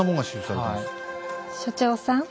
所長。